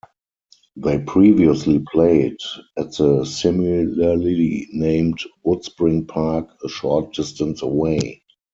They previously played at the similarly named Woodspring Park a short distance away.